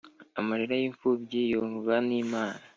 amarira y’impfubyi yumvwa n’imana,